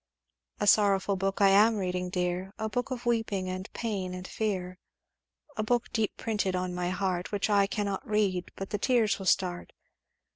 "'A sorrowful book I am reading, dear, A book of weeping and pain and fear, A book deep printed on my heart, Which I cannot read but the tears will start.